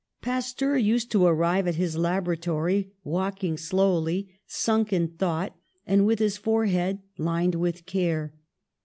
Pasteur used to arrive at his laboratory, walking slowly, sunk in thought, and with his forehead lined with care.